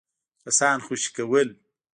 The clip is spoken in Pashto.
کسان خوشي کول.